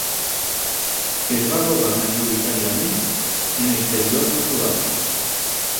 Es va rodar majoritàriament en exteriors naturals.